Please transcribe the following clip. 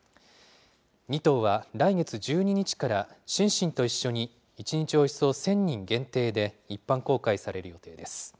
２頭は来月１２日からシンシンと一緒に１日およそ１０００人限定で一般公開される予定です。